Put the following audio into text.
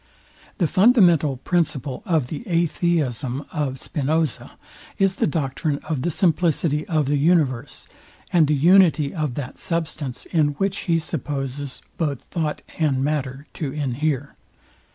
The fundamental principle of the atheism of Spinoza is the doctrine of the simplicity of the universe, and the unity of that substance, in which he supposes both thought and matter to inhere.